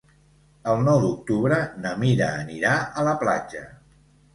El nou d'octubre na Mira anirà a la platja.